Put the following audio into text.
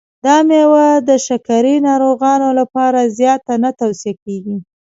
دا مېوه د شکرې ناروغانو لپاره زیاته نه توصیه کېږي.